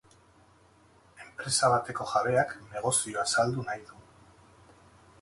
Enpresa bateko jabeak negozioa saldu nahi du.